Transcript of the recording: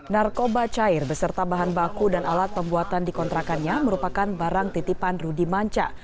narkoba cair beserta bahan baku dan alat pembuatan di kontrakannya merupakan barang titipan rudy manca